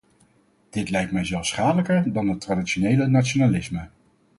Dit lijkt mij zelfs schadelijker dan het traditionele nationalisme.